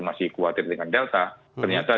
masih khawatir dengan delta ternyata